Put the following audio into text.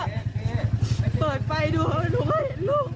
เปิดไปดูแล้วลูกก็เห็นลูก